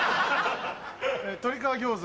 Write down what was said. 鶏皮餃子。